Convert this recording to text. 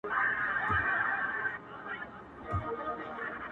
زما د غیرت شمله به کښته ګوري!.